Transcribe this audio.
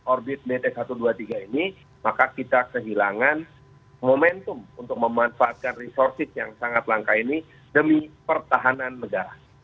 orbit bt satu ratus dua puluh tiga ini maka kita kehilangan momentum untuk memanfaatkan resources yang sangat langka ini demi pertahanan negara